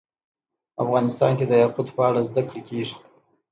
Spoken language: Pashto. افغانستان کې د یاقوت په اړه زده کړه کېږي.